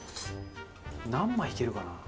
何枚いけるかな？